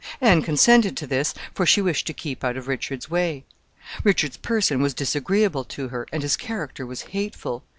Anne consented to this, for she wished to keep out of Richard's way. Richard's person was disagreeable to her, and his character was hateful.